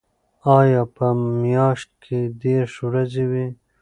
آیا په میاشت کې دېرش ورځې وي؟